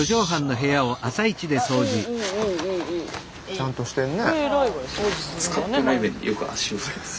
ちゃんとしてんね。